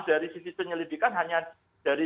dari sisi penyelidikan hanya dari